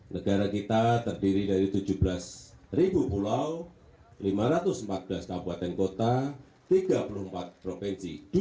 negara kita terdiri dari tujuh belas pulau lima ratus empat belas kabupaten kota tiga puluh empat provinsi